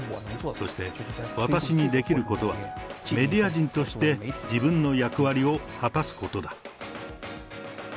そして、私にできることはメディア人として、自分の役割を果たすことだ。